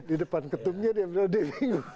di depan ketumnya dia benar benar bingung